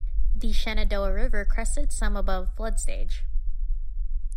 The Shenandoah River crested some above flood stage.